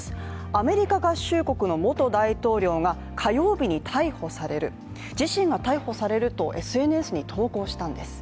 アメリカ合衆国の元大統領が火曜日に逮捕される、自身が逮捕されるとＳＮＳに投稿したんです。